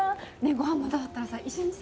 ご飯まだだったらさ一緒にさ。